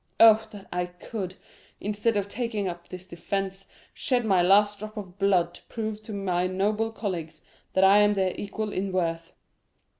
Oh, that I could, instead of taking up this defence, shed my last drop of blood to prove to my noble colleagues that I am their equal in worth."